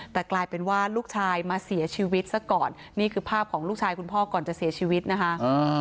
แต่กลายเป็นว่าลูกชายมาเสียชีวิตซะก่อนนี่คือภาพของลูกชายคุณพ่อก่อนจะเสียชีวิตนะคะ